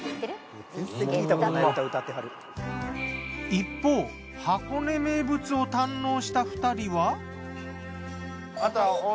一方箱根名物を堪能した２人は。